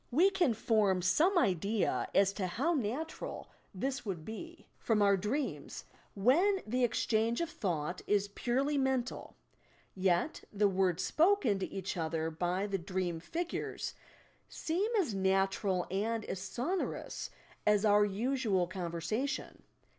We can form some idea as to how natural this 54 YOUR PSYCHIC POWERS would be from our dreams, — when the exchange of thought is purely mental, yet the words spoken to each other by the dream figures seem as natural and as sonorous as our usual conversation.